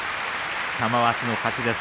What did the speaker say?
玉鷲の勝ちです。